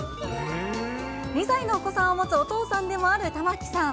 ２歳のお子さんを持つお父さんでもある玉木さん。